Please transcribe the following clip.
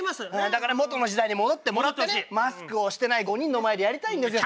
だから元の時代に戻ってもらってねマスクをしてない５人の前でやりたいんですよ。